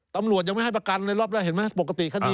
ตำรวจยังไม่ให้ประกันเลยรอบแรกเห็นไหมปกติคดี